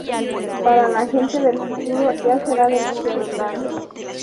Para la gente del futuro ya será demasiado tarde.